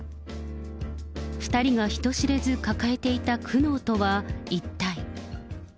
２人が人知れず抱えていた苦悩とは一体。